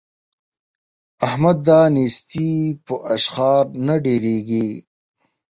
احمده! نېستي په اشخار نه ډېرېږي.